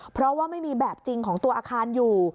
เพราะว่าไม่มีแบบจริงของตัวอาคารอยู่